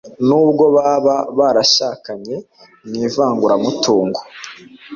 nubwo baba barashakanye mu ivanguramutungo